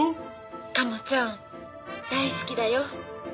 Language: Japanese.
「鴨ちゃん大好きだよ」